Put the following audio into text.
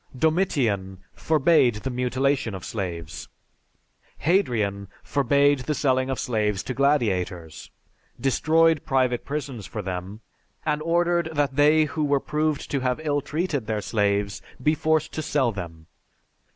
Domitian forbade the mutilation of slaves; Hadrian forbade the selling of slaves to gladiators, destroyed private prisons for them, and ordered that they who were proved to have ill treated their slaves be forced to sell them.